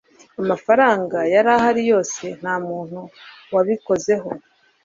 amafaranga yari ahari yose. nta muntu wabikozeho